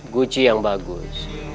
guci yang bagus